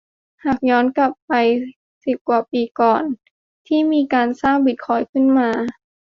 หากย้อนกลับไปเมื่อสิบกว่าปีก่อนที่มีการสร้างบิตคอยน์ขึ้นมา